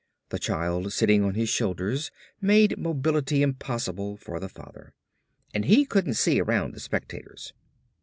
The child sitting on his shoulders made mobility impossible for the father. And he couldn't see around the spectators.